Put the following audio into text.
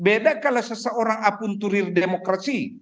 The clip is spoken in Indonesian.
beda kalau seseorang apunturil demokrasi